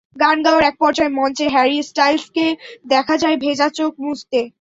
গান গাওয়ার একপর্যায়ে মঞ্চে হ্যারি স্টাইলসকে দেখা যায় ভেজা চোখ মুছতে।